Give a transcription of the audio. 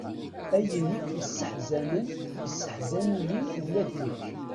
Ayen i k-yesseḥzanen, yesseḥzan-iyi ula d nekk.